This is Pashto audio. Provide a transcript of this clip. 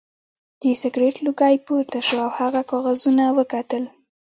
د سګرټ لوګی پورته شو او هغه کاغذونه وکتل